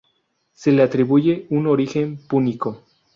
Se le atribuye un origen púnico.